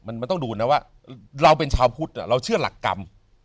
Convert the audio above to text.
มันต้องดูนะว่าเราเป็นชาวพุทธเราเชื่อหลักกรรม